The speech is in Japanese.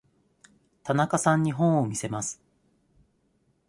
田中さんに本を見せます。